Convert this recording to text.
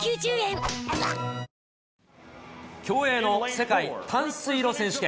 競泳の世界短水路選手権。